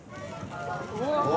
うわ！